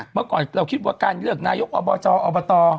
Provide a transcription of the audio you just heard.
เมื่อก่อนเราคิดว่าการเลือกนายกอบจอบต